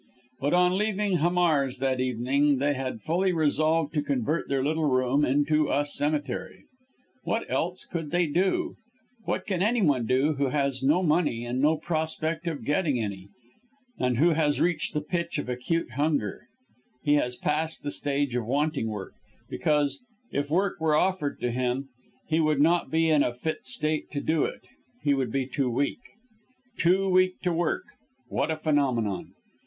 But on leaving Hamar's, that evening, they had fully resolved to convert their little room into a cemetery. What else could they do? What can any one do who has no money and no prospect of getting any, and who has reached the pitch of acute hunger? He has passed the stage of wanting work, because, if work were offered to him, he would not be in a fit state to do it he would be too weak. Too weak to work! What a phenomenon!